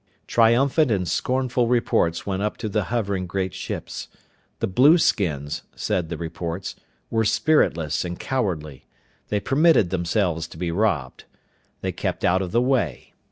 Triumphant and scornful reports went up to the hovering great ships. The blueskins, said the reports, were spiritless and cowardly. They permitted themselves to be robbed. They kept out of the way.